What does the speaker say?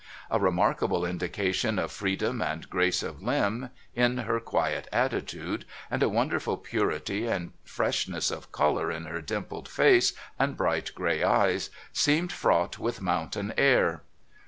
A remarkable indication of freedom and grace of limb, in her quiet attitude, and a wonderful purity and freshness of colour in her dimpled face and bright gray eyes, seemed fraught with mountain air.